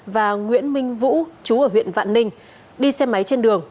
và nguyễn minh vũ chú ở huyện vạn ninh đi xe máy trên đường